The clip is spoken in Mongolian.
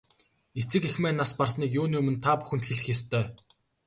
Эцэг эх маань нас барсныг юуны өмнө та бүхэнд хэлэх ёстой.